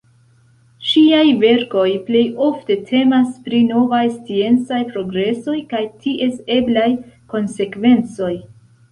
Ŝiaj verkoj plejofte temas pri novaj sciencaj progresoj kaj ties eblaj konsekvencoj.